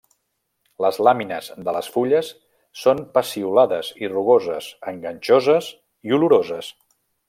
Les làmines de les fulles són peciolades i rugoses, enganxoses i oloroses.